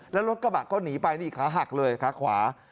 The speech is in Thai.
แล้วรถกระบะก็หนีไปนี่ขาหักเลยขาขวา